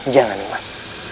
jangan nih mas